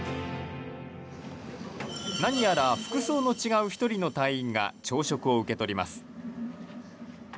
何やら服装の違う１人の隊員が朝食を受け取ります。